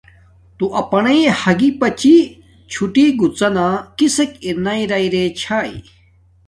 تو اپانݶ ھاگی پاڅی چھوٹی گڅنا کسک ارناݵ راݵ رے چھاݵ